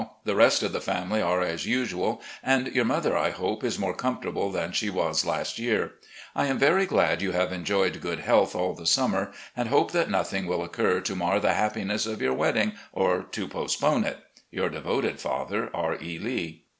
The rest of the family are as usual, and your mother, I hope, is more comfortable than she was last year. ... I am very glad you have enjoyed good health all the summer, and hope that nothing will occur to mar the happiness of your wedding or to post pone it. ... Your devoted father, "R. E. Lee."